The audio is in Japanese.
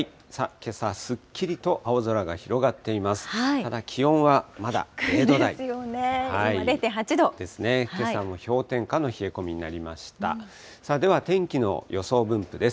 けさ、すっきりと青空が広がっています。